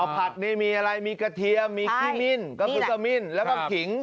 ผัดนี่มีอะไรมีกระเทียมมีขี้มิ้นก็คือขมิ้นแล้วก็ขิง